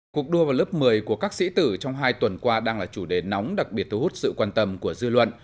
cuộc đua vào lớp một mươi của các sĩ tử trong hai tuần qua đang là chủ đề nóng đặc biệt thu hút sự quan tâm của dư luận